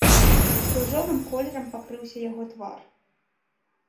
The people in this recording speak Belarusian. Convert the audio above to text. Ружовым колерам пакрыўся яго твар.